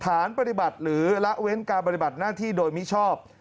ฐานปฏิบัติหรือละเว้นการปฏิบัติหน้าที่โดยมิชอบ